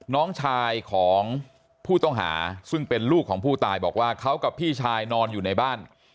น้องชายของผู้ต้องหาซึ่งเป็นลูกของผู้ตายบอกว่าเขากับพี่ชายนอนอยู่ในบ้าน